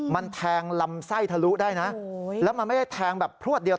มันแทงลำไส้ทะลุได้นะแล้วมันไม่ได้แทงแบบพลวดเดียว